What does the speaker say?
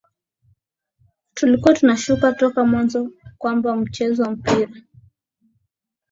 tulikuwa tunashtuka toka mwanzo kwamba mchezo wa mpira